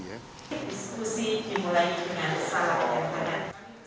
jadi harusnya diperhatikan dengan kesempatan yang sama